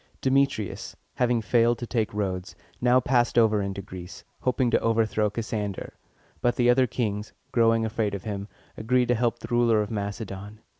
Demetrius, having failed to take Rhodes, now passed over into Greece, hoping to overthrow Cassander; but the other kings, growing afraid of him, agreed to help the ruler of Macedon.